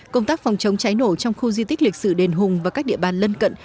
công tác phòng chống cháy nổ trong khu di tích lịch sử đền hùng và các địa bàn lân cận